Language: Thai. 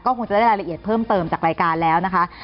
คงจะได้รายละเอียดเพิ่มเติมจากรายการแล้วนะคะ